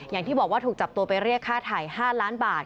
อย่างที่บอกว่าถูกจับตัวไปเรียกค่าถ่าย๕ล้านบาท